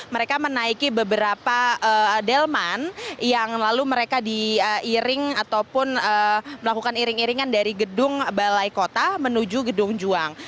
mereka menaiki beberapa delman yang lalu mereka diiring ataupun melakukan iring iringan dari gedung balai kota menuju gedung juang